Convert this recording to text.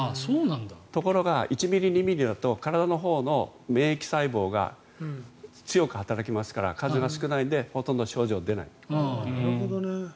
ところが、１ｍｍ、２ｍｍだと体のほうの免疫細胞が強く働きますから数が少ないのでほとんど症状は出ない。